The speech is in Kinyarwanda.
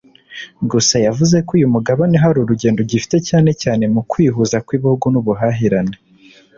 Gusa yavuze ko uyu mugabane hari urugendo ugifite cyane cyane mu kwihuza kw’ibihugu n’ubuhahirane